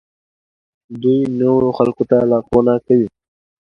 دوی نویو خلکو ته لارښوونه کوي.